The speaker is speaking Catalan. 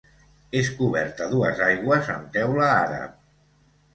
És cobert a dues aigües amb teula àrab.